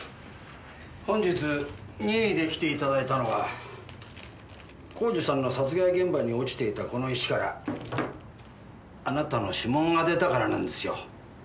本日任意で来て頂いたのは耕治さんの殺害現場に落ちていたこの石からあなたの指紋が出たからなんですよ。